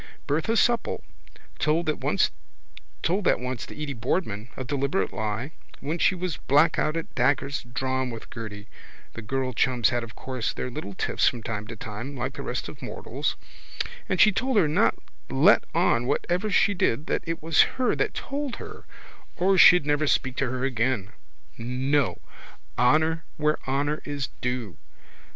Bertha Supple told that once to Edy Boardman, a deliberate lie, when she was black out at daggers drawn with Gerty (the girl chums had of course their little tiffs from time to time like the rest of mortals) and she told her not to let on whatever she did that it was her that told her or she'd never speak to her again. No. Honour where honour is due.